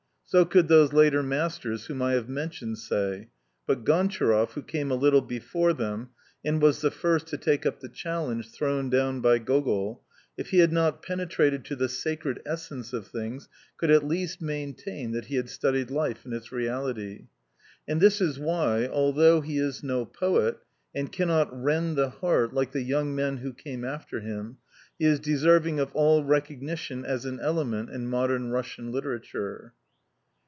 So could those later masters whom I have mentioned say, but Gontcharoff, who came a little before them, and was the first to take up the challenge thrown down by Gogol, if he had not penetrated to the sacred essence of things, could at least maintain that he had studied life in its reality. And this is why, although he is no poet, and cannot rend the heart like the young men who came after him, he is deserving of all recognition as an element in modern Russian literature.